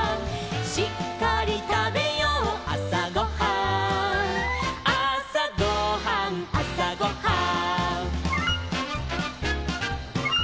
「しっかりたべようあさごはん」「あさごはんあさごはん」